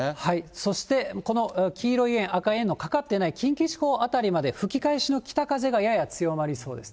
そして、この黄色い円、赤い円のかかっていない近畿地方辺りまで吹き返しの北風がやや強まりそうです。